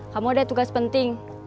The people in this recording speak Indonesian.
kamu udah tugas penting